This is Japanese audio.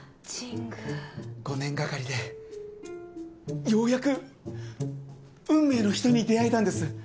５年がかりでようやく運命の人に出会えたんです。